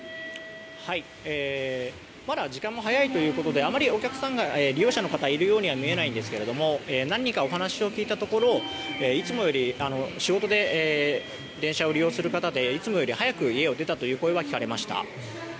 まだ時間も早いということであまり利用者の方いるようには見えないんですけれども何人かにお話を聞いたところ仕事で電車を利用する方でいつもより早く家を出たという声が聞かれました。